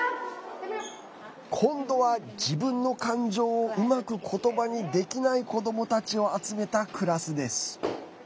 今度は自分の感情をうまく、ことばにできない子どもたちを集めたクラスです。